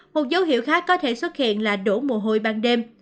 một dấu hiệu khác có thể xuất hiện là đổ mùa ban đêm